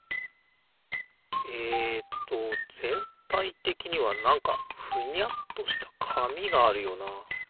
えっとぜんたいてきにはなんかふにゃっとしたかみがあるよな。